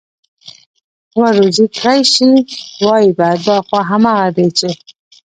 ور روزي كړى شي، وايي به: دا خو همغه دي چې: